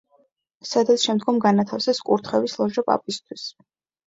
სადაც შემდგომ განათავსეს კურთხევის ლოჟა პაპისთვის.